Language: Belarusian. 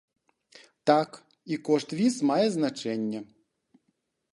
Так, і кошт віз мае значэнне.